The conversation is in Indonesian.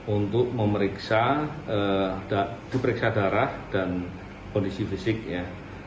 untuk memeriksa darah dan kondisi fisiknya